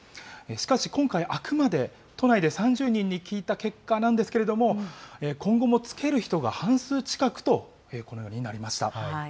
しかし今回、あくまで都内で３０人に聞いた結果なんですけれども、今後も着ける人が半数近くと、このようになりました。